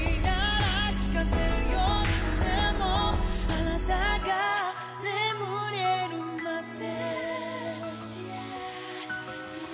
「あなたが眠れるまで」